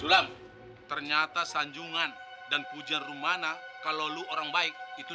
sulam ternyata sanjungan dan puja rumana kalau lo orang baik itu